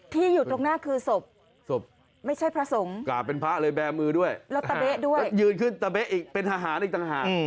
อยู่ตรงหน้าคือศพศพไม่ใช่พระสงฆ์กราบเป็นพระเลยแบร์มือด้วยแล้วตะเบ๊ะด้วยยืนขึ้นตะเบ๊ะอีกเป็นทหารอีกต่างหาก